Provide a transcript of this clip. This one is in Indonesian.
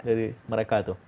dari mereka tuh